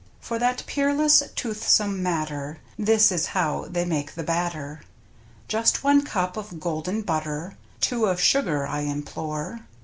For that peerless, toothsome matter, this is how they make the batter: Just one cup of golden butter, two of sugar, I implore!